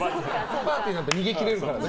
パーティーなんて逃げ切れるからね。